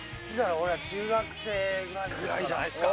俺ら中学生ぐらいぐらいじゃないっすか？